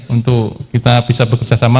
untuk kita bisa bekerjasama